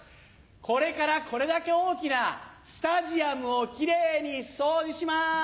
これからこれだけ大きなスタジアムをキレイに掃除します！